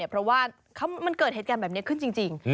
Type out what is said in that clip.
เพราะว่ามันเกิดเหตุการณ์แบบนี้ขึ้นจริง